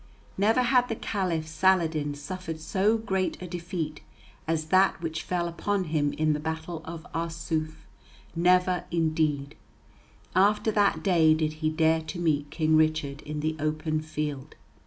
Never had the Caliph Saladin suffered so great a defeat as that which fell upon him in the battle of Arsuf; never, indeed, after that day did he dare to meet King Richard in the open field.